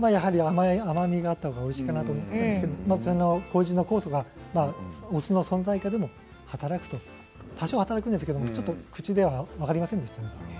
甘めがあったらおいしいかなと思ったんですけどこうじの酵素がお酢でも多少働くんですがちょっと口では分かりませんでした。